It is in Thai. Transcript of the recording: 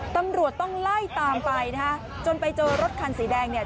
ตำรวจต้องไล่ตามไปนะฮะจนไปเจอรถคันสีแดงเนี่ย